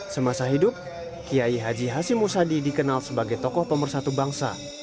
semasa hidup kiai haji hashim musadi dikenal sebagai tokoh pemersatu bangsa